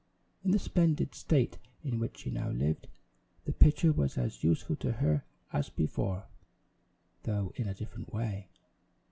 In the splendid state in which she now lived, the pitcher was as useful to her as before, though in a different way.